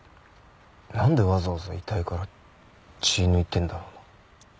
なんでわざわざ遺体から血抜いてるんだろうな。